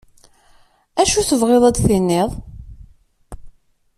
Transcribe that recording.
Acu tebɣiḍ ad d-tiniḍ?